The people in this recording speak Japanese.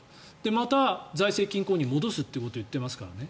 また、財政均衡に戻すということを言っていますからね。